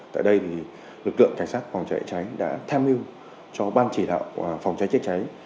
tại đây lực lượng cảnh sát phòng cháy cháy đã tham mưu cho ban chỉ đạo phòng cháy chữa cháy